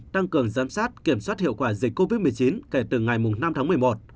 tăng cường giám sát kiểm soát hiệu quả dịch covid một mươi chín kể từ ngày năm tháng một mươi một